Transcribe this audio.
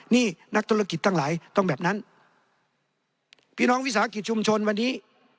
นี่นักธุรกิจทั้งหลายต้องแบบนั้นพี่น้องวิสาหกิจชุมชนวันนี้